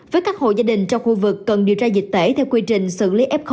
với các hộ gia đình trong khu vực cần điều tra dịch tễ theo quy trình xử lý f một